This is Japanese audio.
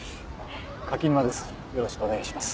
柿沼です。